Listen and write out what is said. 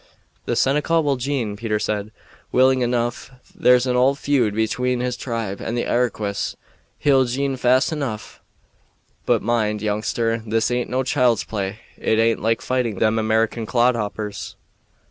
"The Seneca will jine," Peter said, "willing enough. There's an old feud between his tribe and the Iroquois. He'll jine fast enough. But mind, youngster, this aint no child's play; it aint like fighting them American clodhoppers.